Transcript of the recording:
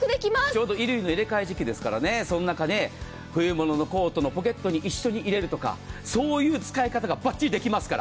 ちょうど衣類の入れ替え時期ですのでそんな中で冬物のコートのポケットに一緒に入れるとかそういう使い方ができますから。